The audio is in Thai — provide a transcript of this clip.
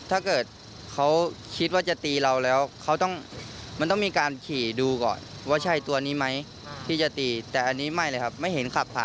ถ้าเกิดเขาคิดว่าจะตีเราแล้วเขาต้องมันต้องมีการขี่ดูก่อนว่าใช่ตัวนี้ไหมที่จะตีแต่อันนี้ไม่เลยครับไม่เห็นขับผ่าน